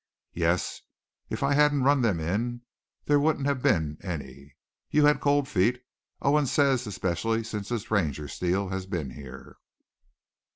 "Yes. If I hadn't rung them in, there wouldn't have been any. You've had cold feet, Owens says, especially since this Ranger Steele has been here."